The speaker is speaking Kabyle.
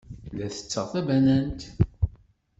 La ttetteɣ tabanant.